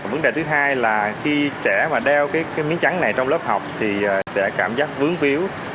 vấn đề thứ hai là khi trẻ mà đeo cái miếng trắng này trong lớp học thì sẽ cảm giác vướng